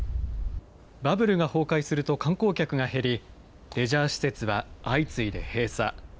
バブルが崩壊すると観光客が減り、レジャー施設は相次いで閉鎖。